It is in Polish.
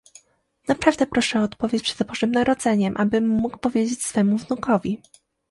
Naprawdę proszę o odpowiedź przed Bożym Narodzeniem, abym mógł powiedzieć swemu wnukowi